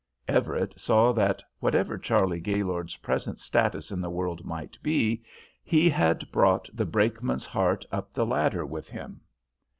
Everett saw that, whatever Charley Gaylord's present status in the world might be, he had brought the brakeman's heart up the ladder with him.